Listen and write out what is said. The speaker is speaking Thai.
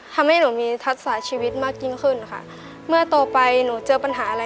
ทำให้หนูมีทัศชีวิตมากยิ่งขึ้นค่ะเมื่อโตไปหนูเจอปัญหาอะไร